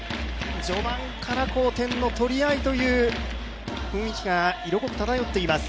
序盤から点の取り合いという雰囲気が色濃く漂っています